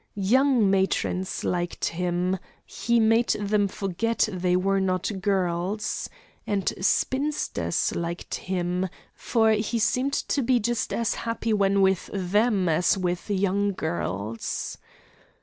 Young matrons liked him; he made them forget they were not girls. And spinsters liked him, for he seemed to be just as happy when with them as with young girls.